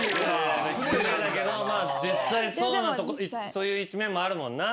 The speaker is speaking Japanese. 実際そういう一面もあるもんな。